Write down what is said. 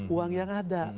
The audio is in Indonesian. uang yang ada